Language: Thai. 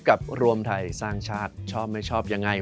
รวมไทยสร้างชาติชอบไม่ชอบยังไง